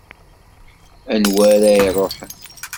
Anwa ara iruḥen?